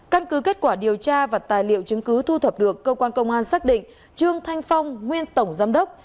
căn cứ kết quả điều tra và tài liệu chứng cứ thu thập được cơ quan công an xác định trương thanh phong nguyên tổng giám đốc